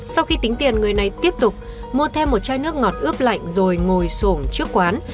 sau khi tính tiền người này tiếp tục mua thêm một chai nước ngọt ướp lạnh rồi ngồi xuồng trước quán